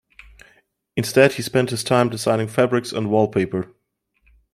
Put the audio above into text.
Instead he spent his time designing fabrics and wallpaper.